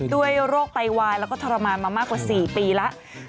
โรคไตวายแล้วก็ทรมานมามากกว่า๔ปีแล้ว